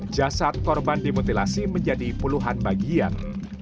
jasad korban dimutilasi menjadi puluhan bagian